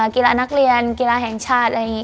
กีฬานักเรียนกีฬาแห่งชาติอะไรอย่างนี้